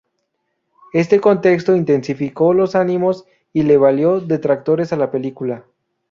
Este contexto intensificó los ánimos y le valió detractores a la película.